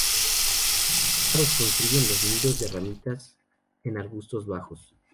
Estos pájaros construyen los nidos de ramitas en arbustos bajos.